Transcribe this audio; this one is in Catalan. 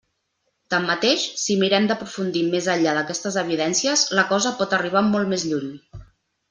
Tanmateix, si mirem d'aprofundir més enllà d'aquestes evidències, la cosa pot arribar molt més lluny.